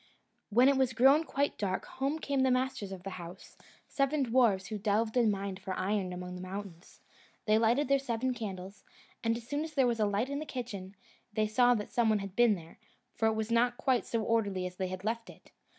When it was grown quite dark, home came the masters of the house, seven dwarfs, who delved and mined for iron among the mountains. They lighted their seven candles, and as soon as there was a light in the kitchen, they saw that some one had been there, for it was not quite so orderly as they had left it.